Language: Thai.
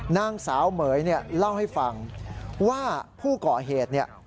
นางสาวเหม๋ยเนี่ยเล่าให้ฟังว่าผู้ก่อเหตุเนี่ย